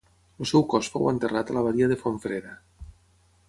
El seu cos fou enterrat a l'abadia de Fontfreda.